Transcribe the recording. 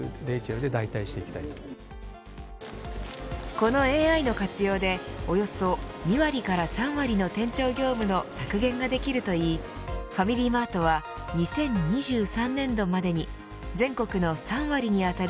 このＡＩの活用でおよそ２割から３割の店長業務の削減ができるといいファミリーマートは２０２３年度までに全国の３割に当たる